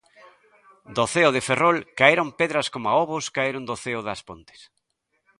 Do ceo de Ferrol caeron pedras coma ovos caeron do ceo das Pontes.